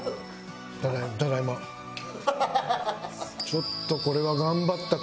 ちょっとこれは頑張ったかいあるな。